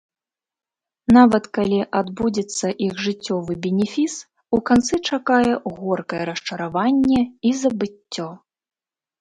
Нават калі адбудзецца іх жыццёвы бенефіс, у канцы чакае горкае расчараванне і забыццё.